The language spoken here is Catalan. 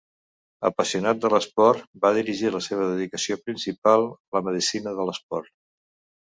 Apassionat de l'esport, va dirigir la seva dedicació principal a la Medicina de l’Esport.